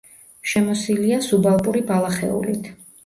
შემოსილია სუბალპური ბალახეულით.